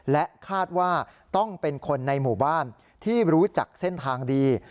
และคาดว่าต้องเป็นคนในหมู่บ้านที่รู้จักเส้นทางดี